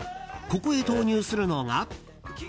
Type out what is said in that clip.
ここへ投入するのが。